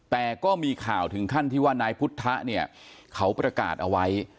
แต่ก็มีข่าวถึงขั้นที่ว่านายพุทธะเนี่ยเขาประกาศเอาไว้